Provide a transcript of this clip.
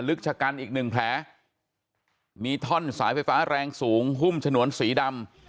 ชะกันอีกหนึ่งแผลมีท่อนสายไฟฟ้าแรงสูงหุ้มฉนวนสีดำ